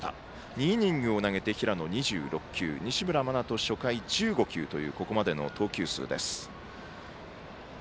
２イニング投げて平野２６球西村真人、初回１５球というここまでの投球数です。